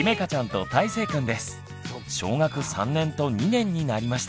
小学３年と２年になりました。